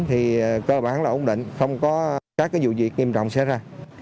thì cơ bản là ổn định không có các dụ dịch nghiêm trọng xảy ra